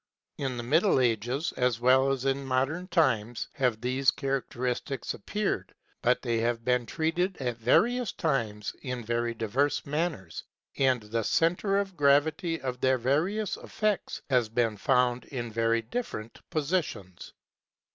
In the Middle Ages as well as in Modern Times have these 32 KNOWLEDGE AND LIFE characteristics appeared, but they have been treated at various times in very diverse manners; and the centre of gravity of their various effects has been found in very different positions.